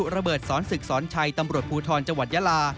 ระเบิดสอนศึกสอนชัยตำรวจภูทรจังหวัดยาลา